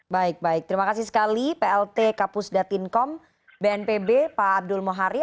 baik baik terima kasih sekali plt kapus datinkom bnpb pak abdul mohari